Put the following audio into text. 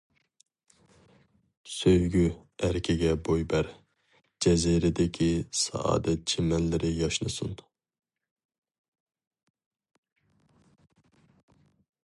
سۆيگۈ ئەركىگە بوي بەر، جەزىرىدىكى سائادەت چىمەنلىرى ياشنىسۇن!